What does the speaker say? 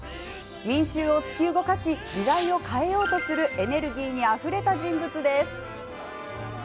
民衆を突き動かし時代を変えようとするエネルギーにあふれた人物です。